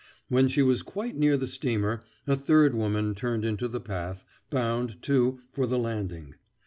When she was quite near the steamer, a third woman turned into the path, bound, too, for the landing.